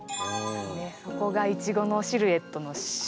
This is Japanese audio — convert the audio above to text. そこがいちごのシルエットの。